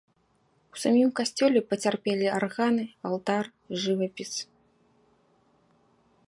У самім касцёле пацярпелі арганы, алтар, жывапіс.